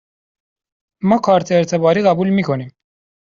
ما کارت اعتباری قبول می کنیم.